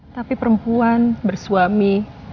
tapi perempuan bersuami